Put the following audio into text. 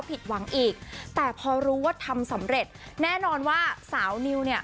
ผิดหวังอีกแต่พอรู้ว่าทำสำเร็จแน่นอนว่าสาวนิวเนี่ย